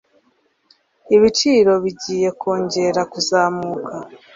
Ibiciro bigiye kongera kuzamuka.